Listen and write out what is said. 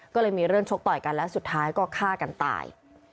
ก็เลยมีเรื่องชกต่อยกันและสุดท้ายก็ฆ่ากันตาย